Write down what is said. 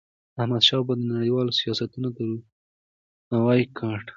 احمدشاه بابا د نړیوالو سیاستوالو درناوی ګاټه.